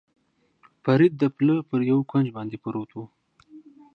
فرید د پله پر یوه کونج باندې پروت و.